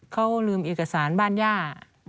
เขาลืมเอกสารบ้านย่า